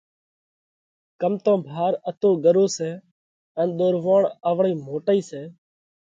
ڪم تو ڀار اتو ڳرو سئہ ان ۮورووڻ اوَڙئِي موٽئي سئہ